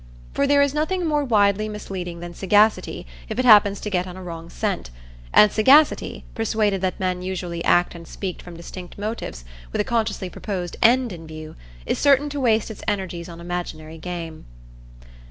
For there is nothing more widely misleading than sagacity if it happens to get on a wrong scent; and sagacity, persuaded that men usually act and speak from distinct motives, with a consciously proposed end in view, is certain to waste its energies on imaginary game.